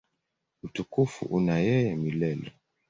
Utukufu una yeye milele.